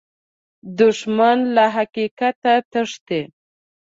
دښمن له حقیقت تښتي